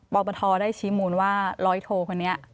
ปปทได้ชี้มูลว่าร้อยโทคนนี้